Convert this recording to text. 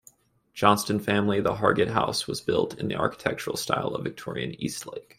Johnston family, the Hargitt House was built in the architectural style of Victorian Eastlake.